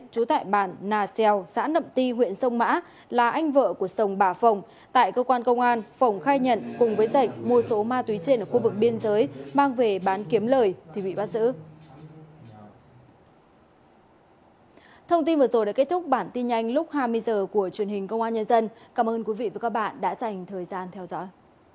cảm ơn quý vị và các bạn đã dành thời gian theo dõi